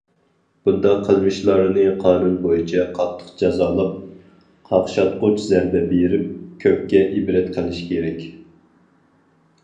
بۇنداق قىلمىشلارنى قانۇن بويىچە قاتتىق جازالاپ، قاقشاتقۇچ زەربە بېرىپ، كۆپكە ئىبرەت قىلىش كېرەك.